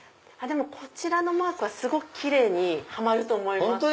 こちらのマークはすごくキレイにはまると思います。